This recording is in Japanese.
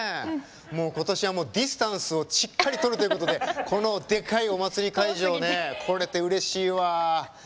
今年はディスタンスをしっかりとるということででかいお祭り会場来れてうれしいわ。